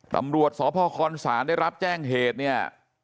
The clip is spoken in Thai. ตำรวจสพคศได้รับแจ้งเหตุเนี่ย